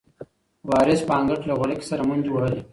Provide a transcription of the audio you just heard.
وارث په انګړ کې له غولکې سره منډې وهلې.